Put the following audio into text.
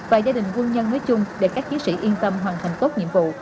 và gia đình quân nhân nói chung để các chiến sĩ yên tâm hoàn thành tốt nhiệm vụ